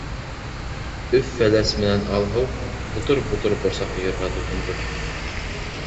Өф-Фәләс менән Алһыу бутыр-бутыр борсаҡ йыйырға тотондо.